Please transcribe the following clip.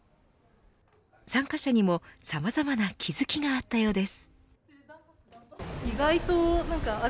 参加者にもさまざまな気付きがあったようです。